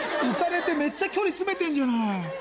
浮かれてめっちゃ距離詰めてんじゃない。